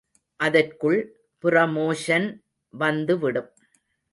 அதற்குள் புரமோஷன் வந்துவிடும்.